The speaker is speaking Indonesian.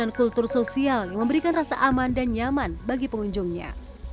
dan penggunaan kultur sosial yang memberikan rasa aman dan nyaman bagi pengunjungnya